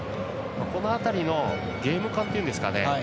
この辺りのゲーム勘というんですかね